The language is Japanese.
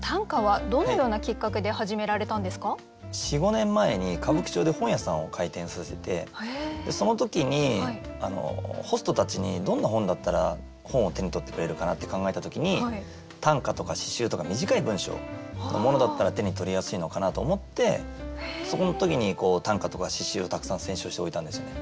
４５年前に歌舞伎町で本屋さんを開店させてその時にホストたちにどんな本だったら本を手に取ってくれるかなって考えた時に短歌とか詩集とか短い文章のものだったら手に取りやすいのかなと思ってその時に短歌とか詩集をたくさん選集して置いたんですよね。